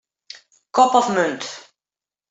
Kop of munt.